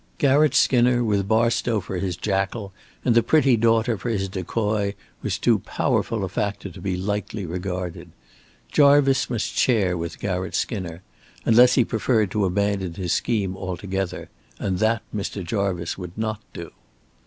Garratt Skinner with Barstow for his jackal and the pretty daughter for his decoy was too powerful a factor to be lightly regarded. Jarvice must share with Garratt Skinner unless he preferred to abandon his scheme altogether; and that Mr. Jarvice would not do.